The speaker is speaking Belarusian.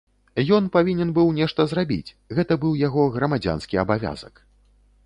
Ён павінен быў нешта зрабіць, гэта быў яго грамадзянскі абавязак.